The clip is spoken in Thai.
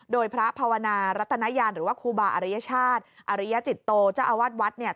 โดยพระภวรารัฐนายาหรือคูบาอริยชาติอริยจิตโตเจ้าอวัดวัดค่ะ